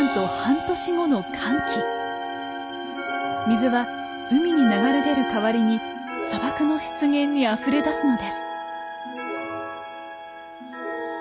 水は海に流れ出るかわりに砂漠の湿原にあふれ出すのです。